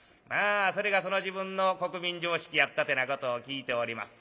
それがその時分の国民常識やったってなことを聞いております。